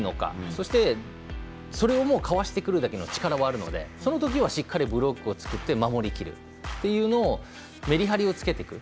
そしてそれをかわしてくるだけの力はあるのでその時はしっかりブロックを作って守りきるというのをめり張りを付けていく。